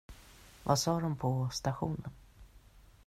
Vad sa de på stationen?